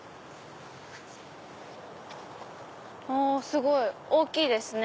すごい！大きいですね